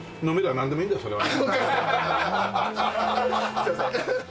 すいません。